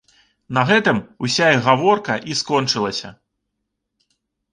На гэтым уся іх гаворка і скончылася.